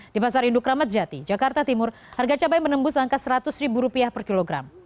di pasar induk ramadjati jakarta timur harga cabai menembus angka seratus ribu rupiah per kilogram